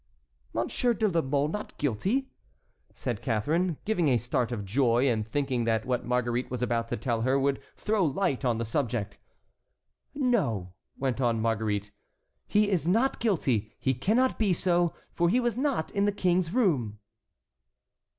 "Monsieur de la Mole not guilty!" said Catharine, giving a start of joy, and thinking that what Marguerite was about to tell her would throw light on the subject. "No," went on Marguerite, "he is not guilty, he cannot be so, for he was not in the king's room."